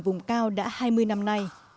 các điểm trường vùng cao đã hai mươi năm nay